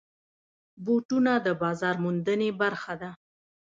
بوټونه د بازار موندنې برخه ده.